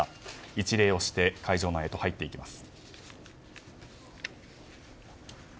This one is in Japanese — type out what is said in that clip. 一礼をして会場内へと入っていきます。